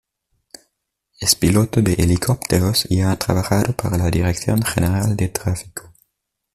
Es piloto de helicópteros y ha trabajado para la Dirección General de Tráfico.